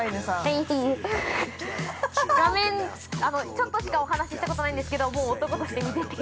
ちょっとしかお話ししたことないんですけどもう男として見てて。